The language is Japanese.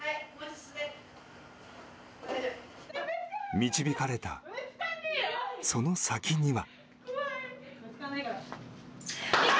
導かれた、その先には。